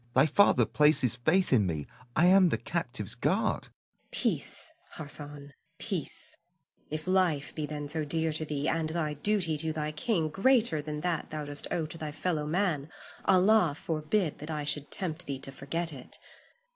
Thy father places faith in me. I am the captive's guard. Zuleika. Peace, Hassan, peace; if life be then so dear to thee, and thy duty to thy king greater than that thou dost owe to thy fellow man, Allah forbid that I should tempt thee to forget it.